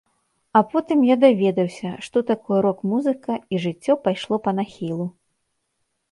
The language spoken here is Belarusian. А потым я даведаўся што такое рок-музыка, і жыццё пайшло па нахілу.